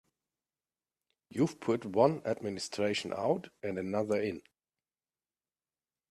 You've put one administration out and another in.